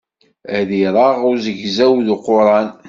Ad iṛeɣ uzegzaw s uquṛan.